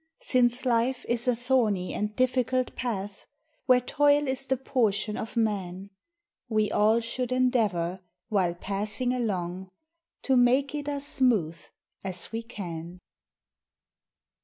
Since life is a thorny and difficult path Where toil is the portion of man, We all should endeavor, while passing along, To make it us smooth as we can.